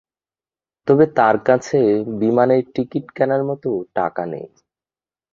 তবে তার কাছে বিমানের টিকিট কেনার মতো টাকা নেই।